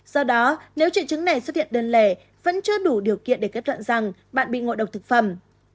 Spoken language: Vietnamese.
do đó nếu triệu chứng này xuất hiện đơn lẻ vẫn chưa đủ điều kiện để kết luận rằng bạn bị ngộ độc thực phẩm